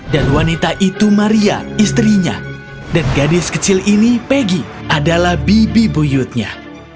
dan wanita itu maria istrinya dan gadis kecil ini peggy adalah bibi buyutnya